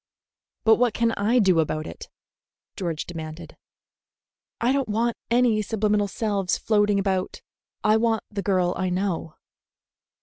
"But what can I do about it?" George demanded. "I don't want any subliminal selves floating about. I want the girl I know."